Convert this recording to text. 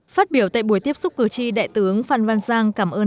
phát biểu tại buổi tiếp xúc cử tri đại tướng phan văn giang cảm ơn